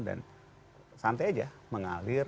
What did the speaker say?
dan santai saja mengalir